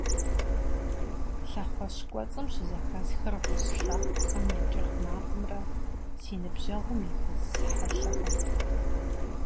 Лъэхъуэщ кӀуэцӀым щызэхэсхыр гъущӀ лъэхъухэм я кӀыргъ макъымрэ си ныбжьэгъум и гыз хьэлъэхэмрэт…